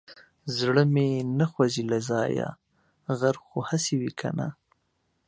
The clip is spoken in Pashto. زړه مې نه خوځي له ځايه غر خو هسي وي که نه.